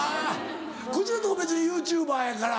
久代のとこ別にＹｏｕＴｕｂｅｒやから。